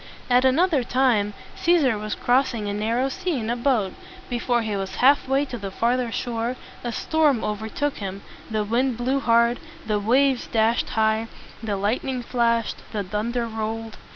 At an oth er time, Cæsar was crossing a narrow sea in a boat. Before he was halfway to the farther shore, a storm overtook him. The wind blew hard; the waves dashed high; the lightning flashed; the thunder rolled.